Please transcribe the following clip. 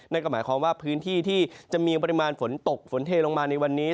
นั่นก็หมายความว่าพื้นที่ที่จะมีปริมาณฝนตกฝนเทลงมาในวันนี้